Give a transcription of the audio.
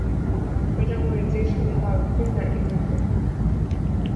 车站位于金山大道与金南一路路口。